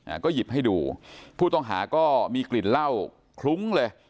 ก็หยิบให้ดูผู้ต้องหาก็มีกลิ่นเหล้าคลุ้งเลย